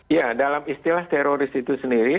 ya dalam istilah teroris itu sendiri